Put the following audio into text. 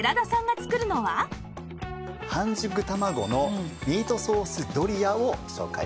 半熟卵のミートソースドリアを紹介します。